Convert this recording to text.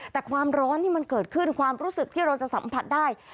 แต่ความร้อนที่มันเกิดขึ้นความรู้สึกที่เราจะสัมผัสได้